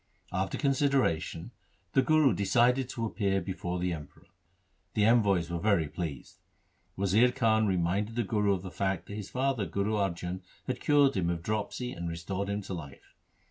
After consideration the Guru decided to appear before the Emperor. The envoys were very pleased. Wazir Khan reminded the Guru of the fact that his father Guru Arjan had cured him of dropsy and restored him to life.